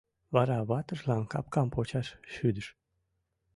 Вара ватыжлан капкам почаш шӱдыш.